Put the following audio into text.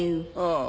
ああ。